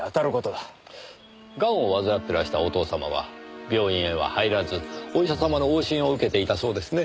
ガンを患ってらしたお父様は病院へは入らずお医者様の往診を受けていたそうですね？